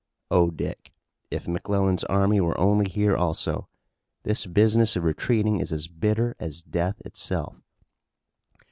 Oh, Dick, if McClellan's army were only here also! This business of retreating is as bitter as death itself!"